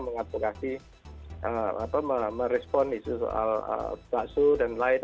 mengadvokasi merespon isu soal bakso dan lain